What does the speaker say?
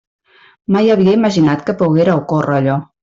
Mai havia imaginat que poguera ocórrer allò.